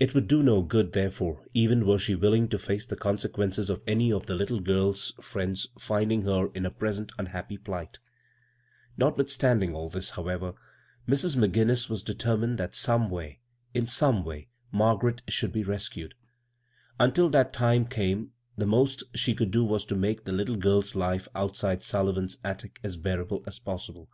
It would do no good, therefore, even were she willing to iace the consequences of any of the little girl's friends finding her in her present unhappy plight Notwithstand ing all this, however, Mrs. McGinnls was de termined that some time, in some way, Mar garet should be rescued ; until that time came the most she could do was to make the little girl's life outside Sullivan's attic as bearable as possible.